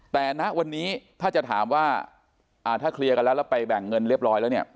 แต่ณวันนี้ถ้าจะถามว่าถ้าเคลียร์กันแล้วแล้วไปแบ่งเงินเรียบร้อยแล้วเนี่ย